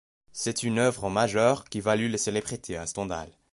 C'est une œuvre majeure qui valut la célébrité à Stendhal.